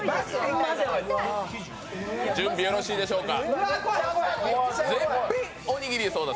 準備よろしいでしょうか。